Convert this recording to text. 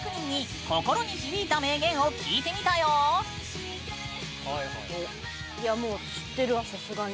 全国のいやもう知ってるわさすがに。